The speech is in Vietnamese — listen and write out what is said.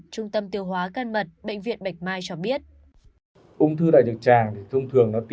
trung tâm tiêu hóa can mật bệnh viện bạch mai cho biết